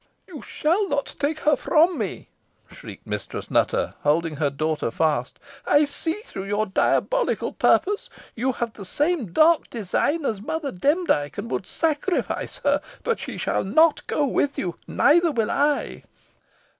"You shall not take her from me!" shrieked Mistress Nutter, holding her daughter fast. "I see through your diabolical purpose. You have the same dark design as Mother Demdike, and would sacrifice her; but she shall not go with you, neither will I."